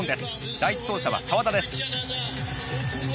第１走者は澤田です。